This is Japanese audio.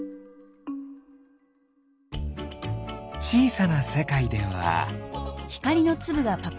ちいさなせかいでは。